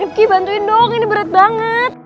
yuki bantuin dong ini berat banget